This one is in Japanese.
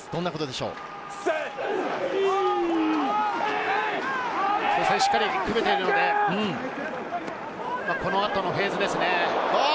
しっかり組めているので、この後のフェーズですね。